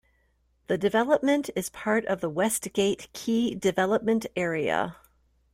The development is part of the "Westgate Key Development Area".